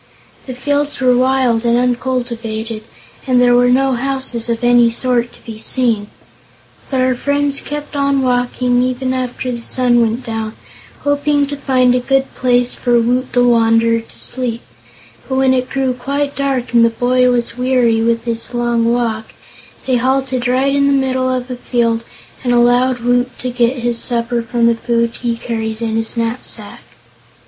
The fields were wild and uncultivated and there were no houses of any sort to be seen. But our friends kept on walking even after the sun went down, hoping to find a good place for Woot the Wanderer to sleep; but when it grew quite dark and the boy was weary with his long walk, they halted right in the middle of a field and allowed Woot to get his supper from the food he carried in his knapsack.